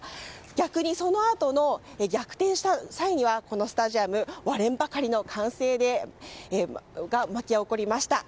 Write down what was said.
逆に、そのあとの逆転した際にはこのスタジアム、割れんばかりの歓声が巻き起こりました。